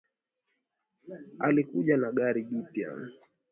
Alikuja na gari jipya